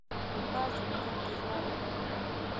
باز د نظر تیزوالی لري